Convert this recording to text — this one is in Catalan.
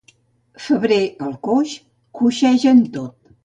Febrer el coix, coixeja en tot.